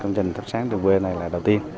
công trình thắp sáng đường quê này là đầu tiên